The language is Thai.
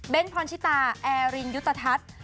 เบ้นท์พรชิตาแอรินยุตทัศน์